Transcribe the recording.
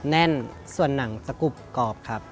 แน่นส่วนหนังตะกรุบกรอบครับ